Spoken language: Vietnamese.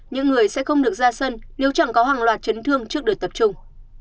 những người sẽ không được ra sân nếu chẳng có hàng loạt chấn thương trước đợt tập trung